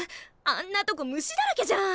あんなとこ虫だらけじゃん！